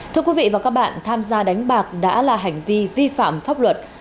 thưa quý vị và các bạn tham gia đánh bạc đã là hành vi vi phạm pháp luật